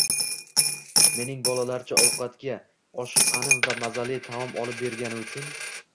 Mening bolalarcha ovqatga oshiqqanim va mazali taom olib bergani uchun